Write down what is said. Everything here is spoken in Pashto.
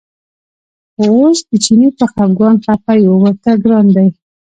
خو اوس د چیني په خپګان خپه یو ورته ګران دی.